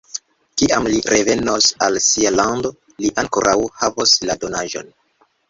Kiam li revenos al sia lando, li ankoraŭ havos la donaĵon.